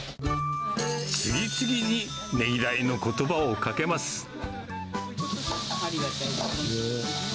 次々にねぎらいのことばをかありがたい。